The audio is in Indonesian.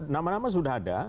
nama nama sudah ada